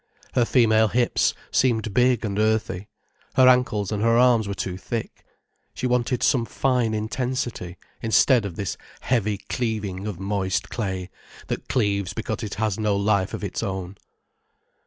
Her female hips seemed big and earthy, her ankles and her arms were too thick. She wanted some fine intensity, instead of this heavy cleaving of moist clay, that cleaves because it has no life of its own.